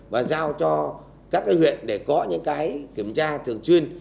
và giao cho các huyện để có những cái kiểm tra thường xuyên